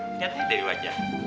nih lihat aja dari wajah